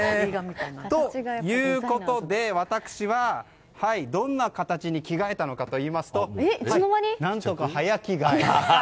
ということで、私はどんな形に着替えたかというと何とか、早着替え。